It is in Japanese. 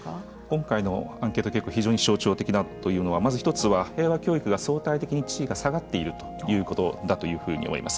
今回のアンケート結果は非常に象徴的だというのはまず１つは平和教育が相対的に地位が下がっているということだというふうに思います。